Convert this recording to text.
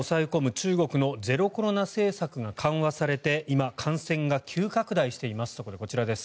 中国のゼロコロナ政策が緩和されて今、感染が急拡大しています。